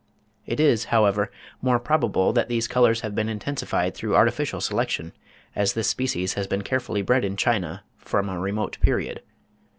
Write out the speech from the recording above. It is, however, more probable that these colours have been intensified through artificial selection, as this species has been carefully bred in China from a remote period.